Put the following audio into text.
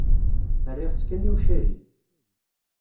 Rriɣ-tt kan i ucali.